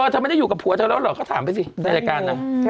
เธอไม่ได้อยู่กับผัวเธอแล้วเหรอเขาถามไปสิในรายการนะ